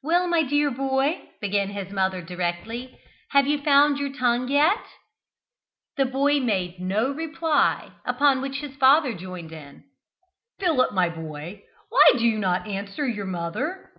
"Well, my dear boy," began his mother directly, "have you found your tongue yet?" The boy made no reply, upon which his father joined in. "Philip, my boy, why do not you answer your mother?"